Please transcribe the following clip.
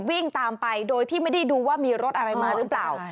วิ่งตามไปโดยที่ไม่ได้ดูว่ามีรถอะไรมาหรือเปล่า